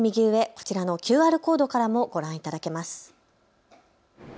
こちらのＱＲコードからもご覧いただけます。